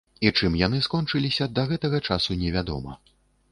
І чым яны скончыліся да гэтага часу не вядома.